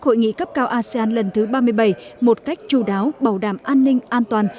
hội nghị cấp cao asean lần thứ ba mươi bảy một cách chú đáo bảo đảm an ninh an toàn